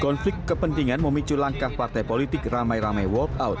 konflik kepentingan memicu langkah partai politik ramai ramai walk out